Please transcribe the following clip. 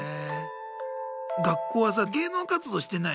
学校はさ芸能活動してないね